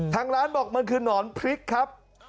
ทางร้านบอกมันคือหนอนพริกครับ